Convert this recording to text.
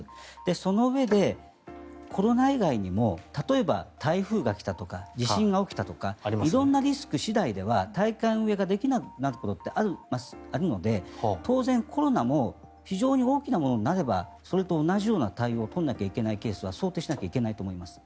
そのうえでコロナ以外にも例えば、台風が来たとか地震が起きたとか色んなリスク次第では大会運営ができなくなることもあるので、当然、コロナも非常に大きなものになればそれと同じような対応を取らなければいけないケースは想定しないといけないと思います。